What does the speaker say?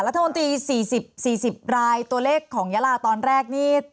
รัฐมนตรี๔๐รายตัวเลขของยาลาตอนแรกนี่